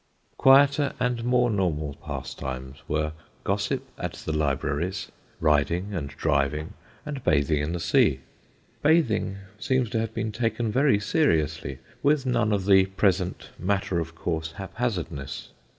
Quieter and more normal pastimes were gossip at the libraries, riding and driving, and bathing in the sea. Bathing seems to have been taken very seriously, with none of the present matter of course haphazardness.